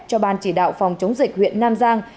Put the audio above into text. cho ban chỉ đạo phòng chống dịch huyện nam giang